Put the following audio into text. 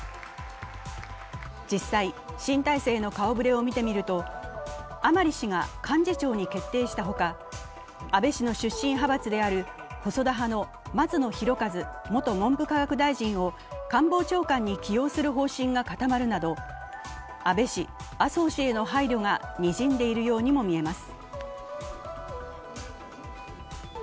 実際、新体制の顔ぶれを見てみると甘利氏が幹事長に決定したほか、安部氏の出身派閥である細田派の松野博一元文部科学大臣を官房長官起用する方針が固まるなど、安倍氏、麻生氏への配慮がにじんでいるようにもみえます。